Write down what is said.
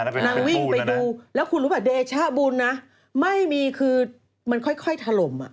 นางวิ่งไปดูแล้วคุณรู้ป่ะเดชะบุญนะไม่มีคือมันค่อยถล่ม